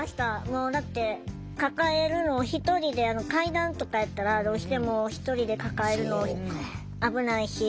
もうだって抱えるの１人で階段とかやったらどうしても１人で抱えるの危ないし。